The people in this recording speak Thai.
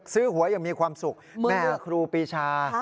ซื้อหวยยังมีความสุขเมื่อเลือกครูปรีชา